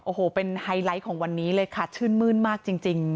โอ้โหเป็นไฮไลท์ของวันนี้เลยค่ะชื่นมื้นมากจริง